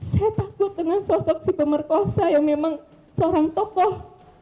saya takut dengan sosok si pemerkosa yang memang seorang tokoh